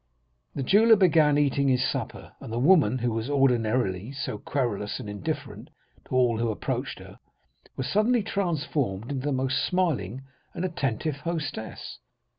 "The jeweller began eating his supper, and the woman, who was ordinarily so querulous and indifferent to all who approached her, was suddenly transformed into the most smiling and attentive hostess.